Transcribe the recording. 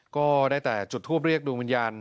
ก็ได้แต่จุดทูปเรียกดวงวิญญาณ